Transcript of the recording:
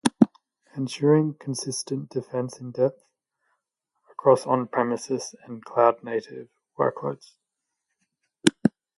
Ensuring Consistent Defense-in-depth across On-premises and Cloud-native Workloads